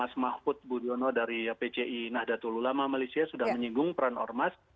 mas mahfud budiono dari pci nahdlatul ulama malaysia sudah menyinggung peran ormas